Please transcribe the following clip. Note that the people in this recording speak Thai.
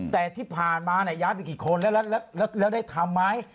แต่ที่ผ่านมาย้ายไปกี่คนแล้วได้ทำไหม